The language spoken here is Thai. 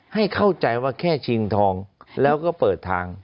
ให้เข้าใจว่าแค่ชิงทองแล้วก็เปิดทาง